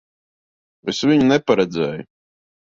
Es viņu neparedzēju.